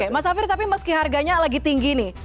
mas safir tapi meski harganya lagi tinggi nih